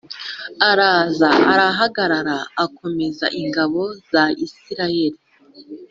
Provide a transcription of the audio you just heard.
Araza arahagarara akomēra ingabo za Isirayeli